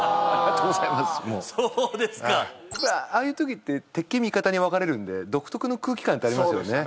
もうそうですかはいやっぱりああいう時って敵味方に分かれるんで独特の空気感ってありますよね